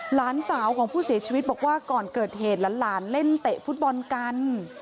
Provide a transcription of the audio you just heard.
หลานสาวของผู้เสียชีวิตบอกว่าก่อนเกิดเหตุหลานเล่นเตะฟุตบอลกัน